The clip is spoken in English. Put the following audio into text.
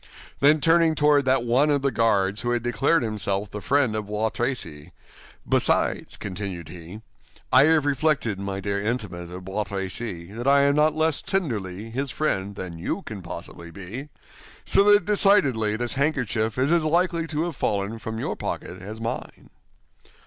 Then turning toward that one of the guards who had declared himself the friend of Bois Tracy, "Besides," continued he, "I have reflected, my dear intimate of Bois Tracy, that I am not less tenderly his friend than you can possibly be; so that decidedly this handkerchief is as likely to have fallen from your pocket as mine."